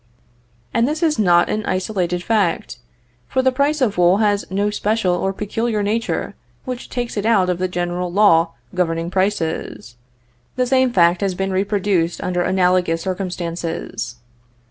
And this is not an isolated fact, for the price of wool has no special or peculiar nature which takes it out of the general law governing prices. The same fact has been reproduced under analogous circumstances.